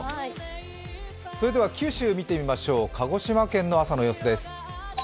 それでは九州見てみましょう、鹿児島県の朝の様子です。